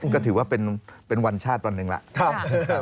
ก็ถือว่าเป็นวันชาติวันหนึ่งแล้ว